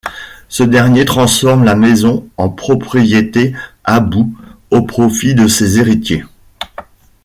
Ce dernier transforme la maison en propriété habous au profit de ses héritiers.